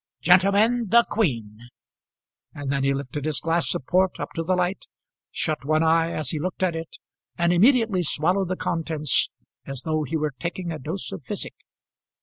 "Gentlemen, the Queen," and then he lifted his glass of port up to the light, shut one eye as he looked at it, and immediately swallowed the contents as though he were taking a dose of physic.